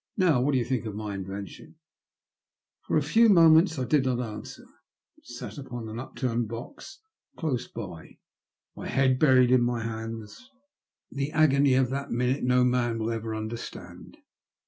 Now what do think of my invention !" For a few moments I did not answer, but sat upon an upturned box close by, my head buried in my hands. 72 THE LUST OF HATE. The agony of that minute no man will over understand.